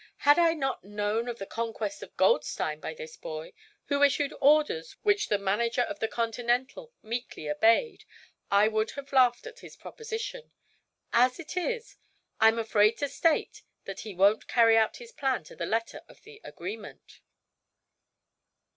"Had I not known of the conquest of Goldstein by this boy, who issued orders which the manager of the Continental meekly obeyed, I would have laughed at his proposition. As it is, I'm afraid to state that he won't carry out his plan to the letter of the agreement."